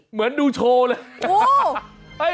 เหมือนดูโชว์เลย